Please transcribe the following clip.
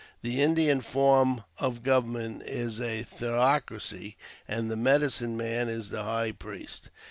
The Indian form of government is a theocracy, and the medicine man is the high priest.